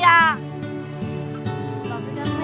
tapi kan mel